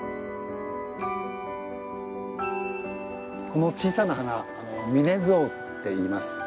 この小さな花ミネズオウっていいます。